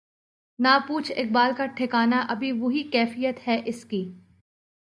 نہ پوچھ اقبال کا ٹھکانہ ابھی وہی کیفیت ہے اس کی